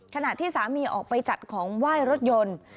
ขณะที่สามีออกไปจัดของไหว้รถยนต์